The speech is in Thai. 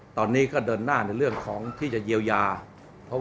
ตอนนี้ก็เดินหน้าในเรื่องของที่จะเยียวยา